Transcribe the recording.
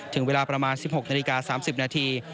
ถึงเวลาประมาณ๑๖นาฬิกา๓๐นาที